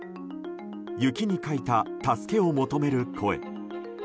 雪に書いた助けを求める声。